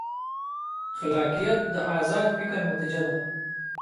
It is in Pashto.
خلاقیت د ازاد فکر نتیجه ده.